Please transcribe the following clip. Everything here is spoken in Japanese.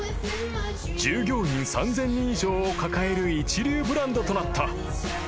［従業員３，０００人以上を抱える一流ブランドとなった］